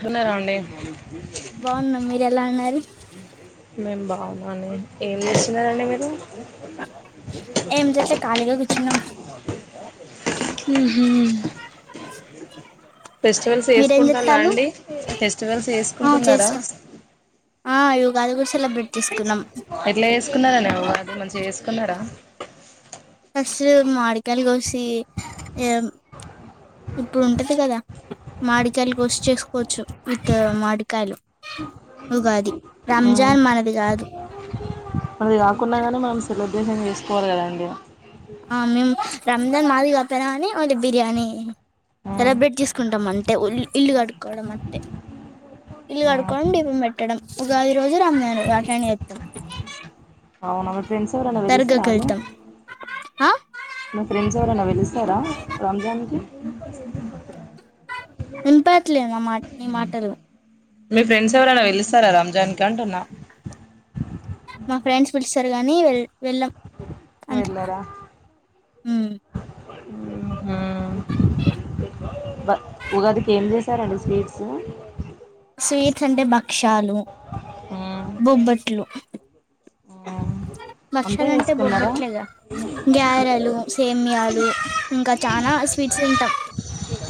వున్న రాండి బాగున్నాం మీరు ఎలా ఉన్నారు మెం బా అవునా అండి ఏం చేస్తున్నారండి మీరు ఏమి చెట్లే ఖాళీగా కూర్చున్నాం ఊహు ఫెస్టివల్స్ మీరేం చేసుకుంట అలా చెత్తాలు అండి ఫెస్టివల్స్ ఆ చేసుకుంటున్నారా చేస్తాం ఆ ఉగాది కూడా సెలబ్రేట్ చేసుకున్నాం ఎట్లా చేసుకున్నారు అండి ఉగాది మంచిగా చేసుకున్నారా ఉషు మాడికాయలు కోసి ఇగ ఇప్పుడు ఉంటది కదా మాడికాయలు కోసి చేసుకోవచ్చు విత్ మాడికాయలు మ్మ్ రంజాన్ మనది కాదు మనది కాకున్నా కాని మనం సెలబ్రేషన్ చేసుకోవాలి కదండి ఆ మేము రంజాన్ మాది కాకపోయినా కానీ ఓన్లీ బిర్యానీ మ్మ్ సెలబ్రేట్ చేసుకుంటాం అంతె ఉల్ ఇల్లు కడుకోవడం అంతే ఇల్లు మ్మ్ కడుకొని దీపం పెట్టడం ఉగాది రోజు రంజాన్ రోజు అట్లనే చెత్తం అవును ఫ్రెండ్స్ ఎవరన్నా పిలుస్తార అండి ఆ మా ఫ్రెండ్స్ ఎవరన్నా పిలుస్తారా రంజాన్ కి వినపట్లే మా మాట్ నీ మాటలు మీ ఫ్రెండ్స్ ఎవరన్నా పిలుస్తారా రంజాన్ కి అంటున్నా మా ఫ్రెండ్స్ పిలుస్తారు కానీ వెళ్ వెళ్ళం అంతే వెళ్ళారా ఉ ఊహ బ ఉగాదికి ఏం చేశారండి స్వీట్సు క్షాలు బొబ్బట్లు అంతే భక్షాలంటే వేసుకున్నారా బొబ్బట్లేగా గ్యారెలు, సేమ్యాలు ఇంకా చానా స్వీట్స్ తింటాం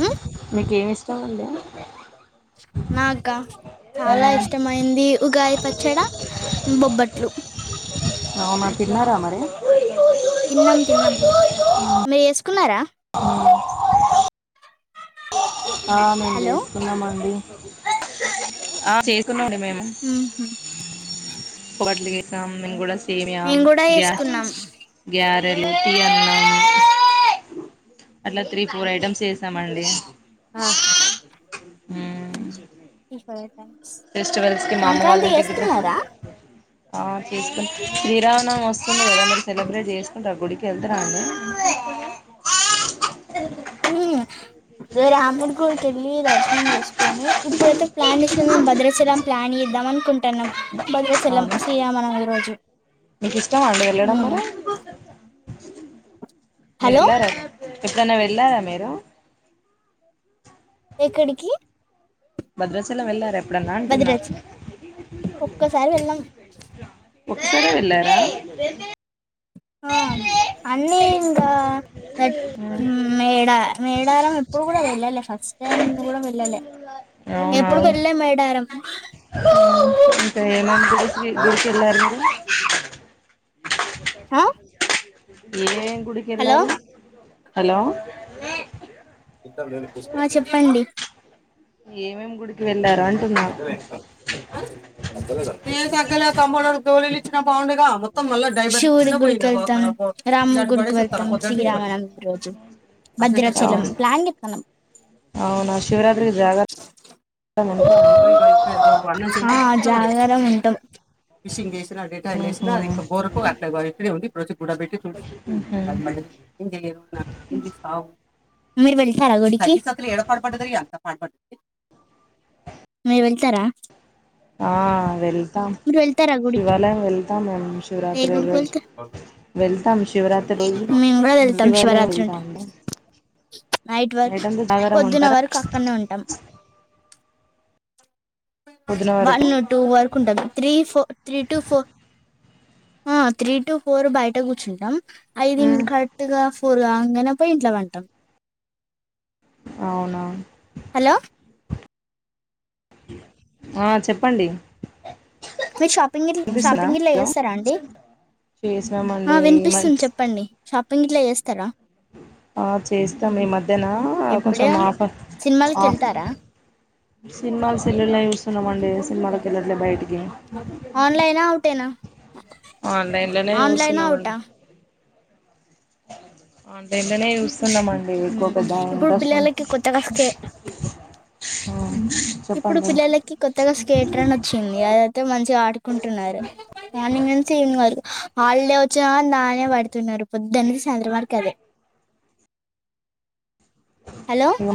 ఉ మీకు ఏం ఇష్టమండి నాకా చాలా ఇష్టమైంది ఉగాది పచ్చడ బొబ్బట్లు అవునా తిన్నారా మరి తిన్నాం తిన్నాం మీరు చేసుకున్నారా ఆ మేము హలో చేసుకున్నాం అండి ఆ చేస్ కున్నాము మేము బొబ్బట్లు చేశాం మేము కూడా సేమ్యా మేము కూడా చేసుకున్నాం గ్యాస్ గ్యారెలు తీ అన్నం అట్లా త్రీ ఫోర్ ఐటమ్స్ చేసామండి ఆ [inaudible] ఫెస్టివల్స్ కి మా అమ్మ వాళ్ళ సంక్రాంతి ఇంటికి ఇక చేస్తున్నారా ఆ తీసుకు శ్రీరామనవమి వస్తుంది కదా మీరు సెలబ్రేట్ చేసుకుంటారా గుడికి వెళ్తారా అండి ఉ రాముడి గుడికి వెళ్ళి దర్శనం చేసుకొని ఇప్పుడైతే ప్లాన్ చేసినా మేము భద్రాచలం ప్లాన్ చేద్దాం అనుకుంటున్నాం భద్రాచలం అవునా శ్రీరామనవమి రోజు మీకు ఇష్టమా అండి ఉ వెళ్ళడం మరి మీరు హలో వెళ్లారా ఎప్పుడన్నా వెళ్ళారా మీరు ఎక్కడికి భద్రాచలం వెళ్ళారా ఎ ఎప్పుడన్నా అంటున్నా భద్రాచలం ఒక్కసారి వెళ్ళాం ఒకసారే వెళ్ళారా [unintelligible] ఆ అన్నీ ఇంకా నె ఊ మేడ మేడారం ఇప్పుడు కూడా వెళ్ళలే ఫస్ట్ టైం కూడా వెళ్ళలే అవునా ఎప్పుడుకి వెళ్ళే మేడారం ఏమేమ్ గుడీకి గుడికి ఎళ్ళారండి ఆ ఏ ఏం గుడికి హలో ఎల్లారు హలో ఆ చెప్పండి ఏమేమ్ గుడికి వె తగ్గలే ఇంకా ఆ తగలేదా ఏ తగ్గలే తమ్ముడా గోళీలు ఇచ్చిన బండుగా ఆ మొత్తం మళ్ళ [unintelligible] శివుడి గుడికి వెళ్తాం రం గుడికి వెళ్తాం శ్రీరామనం రోజు భద్రాచలం అవును ప్లాన్ [unintelligible] అవునా శివరాత్రి జాగరం ఆ జాగరం ఉంటాం ఫిషిగ్ చేసిన డేఠాలు ఉహు లేసిన బోరకుాట్ [unintelligible] అక్కడి ఉంది కూడా పెట్టి చూసి ఉహు [unintelligible] మీరు వెళ్తారా గుడికి మీరు వెళ్తారా ఆ వెళ్తాం మీరు వెళ్తారా గుడికి శివాలయం వెళ్తాం మేము శివరాత్రి రోజు వెళ్తారు వెళ్తాం శివరాత్రిరోజు మేము కూడా వెళ్తాం శివాలయం శివరాత్రి ఉంటుంది వెళ్తాము నైట్ వర్క్ అంతా జాగారం పొద్దున ఉంటారా వరకు అక్కడనే ఉంటాం పొద్దున వన్ వరకు టూ వరకు ఉంటది three four three two four ఆ త్రీ టు ఫోర్ బయట కూర్చుంటాం ఐది కరెక్ట్ గా పోరు గాంగనే పోయి ఇంట్లో వంటం అవునా హలో ఆ చెప్పండి మీరు షాపింగ్గిట్ల వినిపిస్తుందా షాపింగిట్ల హలో చేస్తారా అండి ఆ చేసినామండి ఈ వినిపిస్తుంది చెప్పండి షాపింగ్ ఇట్ల చేస్తారా ఆ చేస్తాం ఈ మధ్యన ఎప్పుడ కొంచెం ఆఫర్ సినిమాలకి ఆఫ్ వెళ్తారా సినిమాల సెల్లుల్లా చూస్తున్నామ అండి సినిమాలకి వెళ్ళట్లే బయటికి ఆన్లైన్ ఉవుటేనా ఆన్లైన్ లోనే అవుటా చూస్తున్నామండి ఆన్లైన్ లోనే చూస్తాం చస్తున్నామండి ఎక్కువ ఉమ్. పెద్ద ఇప్పుడు పిల్లలకి ఇంట్రెస్ట్ కొత్తగా స్కే [unintelligible] ఇప్పుడు చెప్పండి పిల్లలకి కొత్తగా స్కేటర్ అన్ వచ్చింది అదైతే మంచిగా ఆడు ఉంటూన్నారు మార్నింగ్ నుంచి ఈవినింగ్ వరకు హల్డే వచ్చిన నాన్నే పడుతున్నారు పొద్దుననుంచి సాయంత్రం వరకు అదే [inaudible] హలో ఇ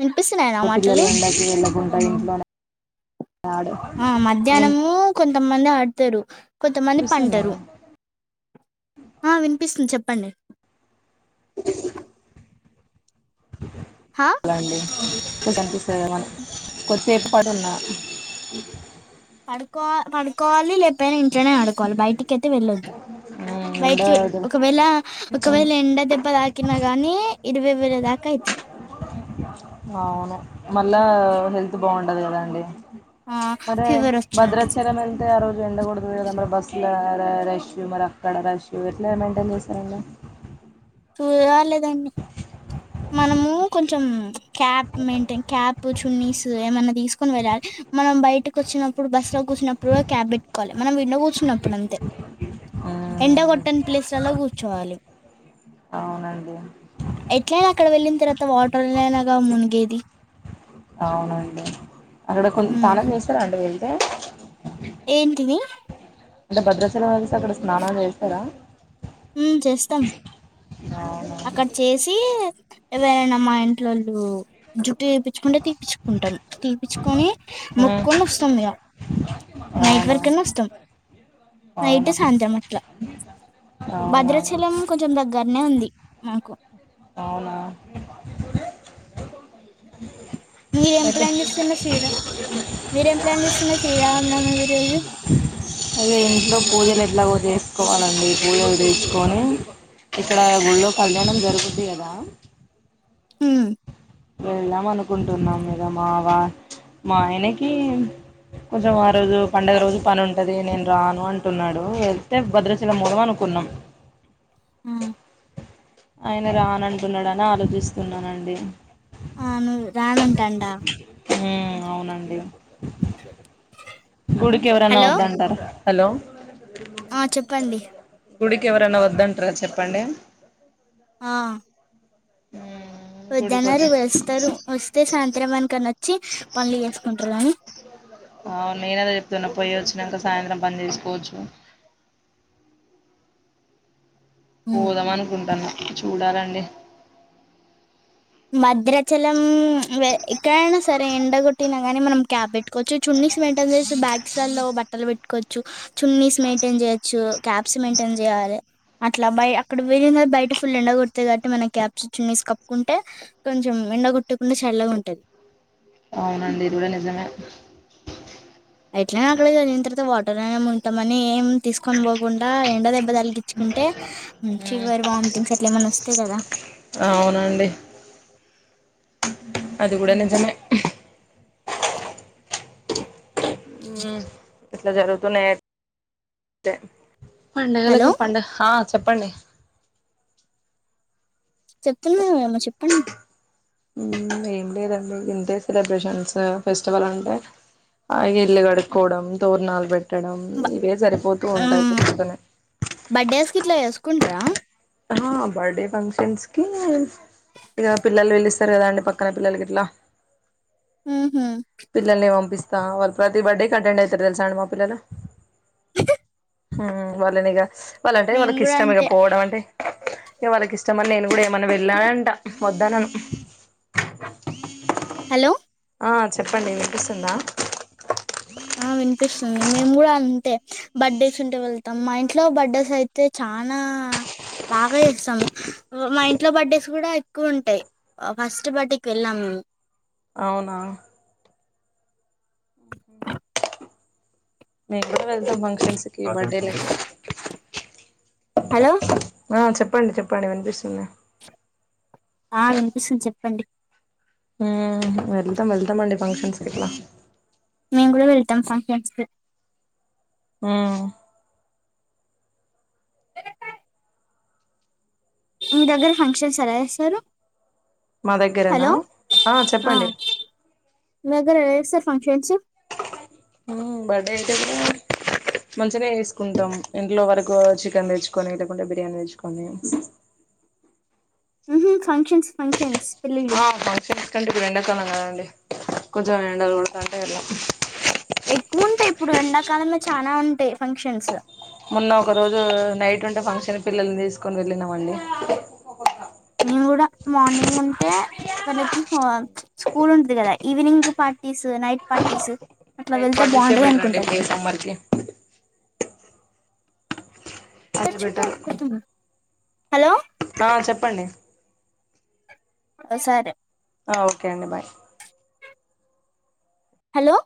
వినిపిస్తున్నాయ నా పిల్లలు మాటలు ఎండకు ఎలకుంట ఇంట్లోనే ఆడ ఆ మధ్యాహ్నము కొం కొంతమంది ఆడతారు కొంతమంది పంటారు వినిపిస్తున్నాయా ఆ వినిపిస్తుంది చెప్పు పండి హా ఎలా అండి కొ అనిపిస్తుంది కదా మనికి కొద్దిసేపు పడు ఉన్నా పడుకో పడుకోవాలి లేకపోయినా ఇంట్లోనే ఆడుకోవాలి బయట్టికిఅయితే వెళ్ళొద్దు ఉమ్ బయటికి ఉండదు ఒకవేళ ఒకవేళ ఎండ దెబ్బ తాకినా గాని ఇరవై వేల తాకి కైతే అవును మళ్ళా హెల్త్ బాగుండది కదాండి ఆ మరే ఫీవర్ వచ్చినట్టు భద్రాచలం ఎల్తే ఆ రోజు ఎండ కొడతది కదా మరి బస్ ఎట్లా రా ర రష్ మరి అక్కడ రష్ ఎట్లా మెయింటైన్ చేస్తారండి తూ రలేేదండి మనము కొంచెం క్యాప్ మెయింటైన్ క్యాప్ చున్నీస్ ఏమన్నా తీసుకుని వెళ్ళాలి మనం బయటకు వచ్చినప్పుడు బస్ లో కూర్చినప్పుడు క్యాబ్ పెట్టుకోవాలి మనం విో కూర్చున్నప్పుడు అంతే ఎంండ ఉమ్ కొట్టని ప్లేస్లలా కూర్చోవాలి అవునండి ఎట్లైనా అక్కడ వెళ్ళిన తర్వాత వాటర్లనాగా మునిగేది అవునండి అక్కడ కొ తనం చేస్తారా అంటడి వెళ్తే ఏంటినిీ అంటే భద్రాచల వలసి అక్కడ స్నానాలు చేస్తారా హ చేస్తాం అవునా అక్కడ చేసి ఎవరైనా మా ఇంట్లోళ్ళు జ తీపించుకుంటే తీపిచ్చుకుంటాం తీపిచ్చుకొని ఉమ్ మొక్కొని వస్తాం ఇక నైట్ అవునా వర్కన్నా వస్తాం నైట్ సాయంత్రం అట్లా అవునా అవునా భద్రాచలం కొంచెం దగ్గరనే ఉంది మాకు అవునా మీరేం అఓకే ప్లాన్ చేస్తున్నారు శ్రీరామ్ మీరేం ప్లాన్ చేస్తున్నారు శ్రీరామనవమి రోజు అదే ఇంట్లో పూజలు ఎట్లాగో చేసుకోవాలండి పూజలు తీసుుకొని ఇక్కడ ఊళ్ళో కళ్యాణం జరుగుది కదా హ వెళ్దాం అనుకుంటున్నాం మీదమ్ మా వా మా ఆయనకి కొంచెం ఆ రోజు పండుగ రోజు పని ఉంటది నేను రాను అంటున్నాడు వెళ్తే భద్రచీల మూలం అనుకున్నాం ఆ ఆయన రానంటున్నాడని ఆలోచిస్తున్నానండి ఆ, నువ్వు రానంటండా ఉమ్ అవునండి గుడికికెవరన్నా హలో వద్దంటార హలో ఆ చెప్పండి గుడికి ఎవరన్న వద్దంట్ర చెప్పండి ఉమ్ గుడికి వద్ద్దన్నరు వద్ద వస్తారు వస్తే సాయంత్రం అనుకని వచ్చి పన్లు చేసుకుంట్రూ గానీ అవు నేనదే చెప్తున్నా పోయి వచ్చినాక సాయంత్రం పని చేసుకోవచ్చు పోదాం అనుకుంటాన చూడాలండి మద్రాచలం వే ఇక్కడైనా సరే ఎండగొట్టిన గాని మనం క్యాబ్ పెట్టుకోవచ్చు చున్నీస్ పెన్టాల్ తెల్సు బ్యాక్స్ లలో బట్టలు పెట్టుకోచ్చు చున్నీస్ మెయింటైన్ చేయొచ్చు క్యాప్స్ మెయింటైన్ చేయాలే అట్లా బయ్ అక్కడ వెళ్ళిన బయట ఫుల్ ఎండ కొ డ్త ది కాబట్టి మనమ్ క్యాప్స్ చున్నీస్ కప్పుకుం టే కొంచెం ఎండ కొట్టకుండా చల్లగా ఉంటది అవునండి ఇది కూడా నిజమే ఎట్లనే అక్కడ చదివిన తర్వాత వాటర్నే ఉంటామని ఏం తీసుకొని పోకుండా ఎండ దెబ్బ తలిగిచ్చుకుంటే ఉమ్, ఫీవర్ వామిటింగ్స్ అట్ల ఏమన్నా వస్తాయి కదా అవునండి అది కూడా నిజమే ఉమ్ ఎట్లా జరుగుతున్నాయి అన్ తే హలో పండగలకు పండగ చెప్పండి చెప్తున్నారేమో చెప్పండి ఉమ్ ఏమ్లేదండి ఎంటెశ్వర బ్రేషన్స్ ఫెస్టివల్ అంటా ఆ ఇల్లు కడుక్కోవడం తోరణాలు పెట్ ట్టడం బ ఇవే సరిపోతూ మ్ ఉంటాయి తనే కుంట్రా ఆ బర్డే ఫంక్షన్స్కి ఇగ పిల్లలు పిలుస్తారు కదా అండి పక్కన పిల్లలకి ఇట్లా ఉమ్ హు త వల్ ప్రతి బర్త్డే కి అటెండ్ అయితరు తెల్సా అండి మా పిల్లలు హుమ్ వాళ్ళనిగా వాళ్ళంటే మేము వాళ్ళకి కూడా ఇష్టం ఇక అంతే పోవడం అంటే ఇగ వాళ్ళకి ఇష్టమని నేను కూడా ఏమైన్ వెళ్ళానంట వద్దానను హలో ఆ చెప్పండి వినిపిస్తుందా ఉమ్ మేము కూడా అంతే బర్త్డేస్ ఉంటే వెళ్తాం మా ఇంట్లో బర్త్డేస్ అయితే చానా బాగా ఎస్సాము మా ఇంట్లో బర్డేస్ కూడా ఎక్కువ ఉంటాయి అ ఫస్ట్ బర్డే కి వెళ్ళాం అవునా హ మేం కూడా వెళ్తాం ఫంక్షన్స్ కి బర్డే లకి హలో ఆ చెప్పండి చెప్పండి వినిపిస్తుంది ఆ వినిపిస్తుంది చెప్పండి ఉమ్ వెళ్తాం వెళ్తాం అండి ఫంక్షన్స్ కి ఇట్లా మీ కూడా వెల్తం ఫంక్షన్స్ కి ఉమ్ మీ దగ్గర ఫంక్షన్స్ ఎలా జెస్తారు మా దగ్గరనా ఆ చెప్పండి మీగ్గర ఎలా చేసార్ ఫంక్షన్స్ ఉమ్ బర్డే అయితే నే మంచినే ఏసుకుంటాం ఇంట్లో వరకు చికెన్ తెచ్చుకొని లేకుంటే బిర్యానీ తెచ్చుకొని ఉంహు ఫంక్షన్స్ ఫంక్షన్స్ పెళ్ళిళ్ళు ఆ ఫంక్షన్స్ డి ఇప్పుడు ఎండాకాలం కదండి కొంచెం ఎండలు కొడాతంటే ఇట్లా ఎక్కుఉంటాయి ఇప్పుడు ఎండాకాలంలో చాల ఉంటాయి ఫంక్షన్స్ మొన్న ఒక రోజు నైట్ ఉంటే ఫంక్షన్ పిల్లల్ని తీసుకుని వెళ్ళినమండి కూడ మార్నింగ్ ఉంటే వాళ్ళకి స్కూల్ ఉంటది కదా ఈవినింగ్ పార్టీస్ నైట్ పార్టీస్ అట్లా నైట్ వెళ్తే పార్టీసే బాగుంటది బెటర్ అండి అనుకుంటాను ఇప్పుడు ఈ సమ్మర్కి బెటర్ హలో ఆ చెప్పండి సరే ఓకే అండి బాయ్ హలో